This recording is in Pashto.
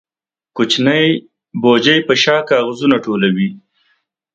کوچنی بوجۍ په شا کاغذونه ټولوي.